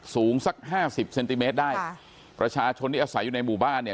สูงสักห้าสิบเซนติเมตรได้ค่ะประชาชนที่อาศัยอยู่ในหมู่บ้านเนี่ย